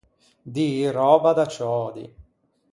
Dî röba da ciödi.